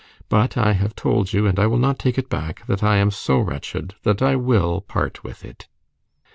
But I have told you, and I will not take it back, that I am so wretched that I will part with it."